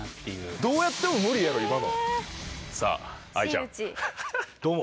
どうやっても無理やろ、今の。